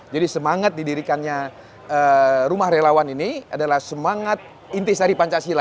jadi semangat didirikannya rumah relawan ini adalah semangat intisari pancasila